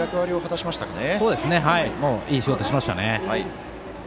いい仕事しましたね。